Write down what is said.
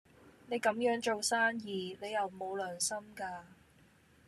你咁樣做生意，你有冇良心㗎？